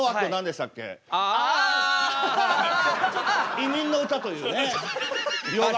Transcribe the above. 「移民の歌」というね洋楽。